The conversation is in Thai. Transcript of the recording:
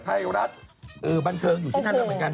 ไทยรัฐบันเทิงอยู่ที่นั่นด้วยเหมือนกัน